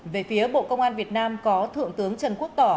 về phía bộ công an việt nam có thượng tướng trần quốc tỏ